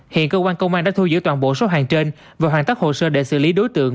hiện cơ quan công an đã thu giữ toàn bộ số hàng trên và hoàn tất hồ sơ để xử lý đối tượng